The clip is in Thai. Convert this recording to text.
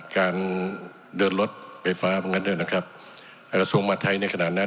การเดินรถไฟฟ้าบางนั้นนะครับอ่ากระทรวงมหาดไทยในขณะนั้น